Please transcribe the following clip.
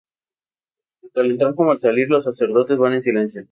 Tanto al entrar como al salir, los sacerdotes van en silencio.